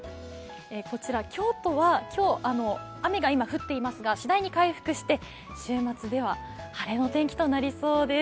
こちら京都は雨が降っていますが次第に回復して週末では晴れの天気となりそうです。